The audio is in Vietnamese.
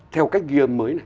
theo cách ghi âm mới